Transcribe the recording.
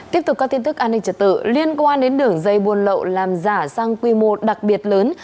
tiếp tục các tin tức an ninh trật tự liên quan đến đường dây buôn lậu làm giả sang quy mô đặc biệt lớn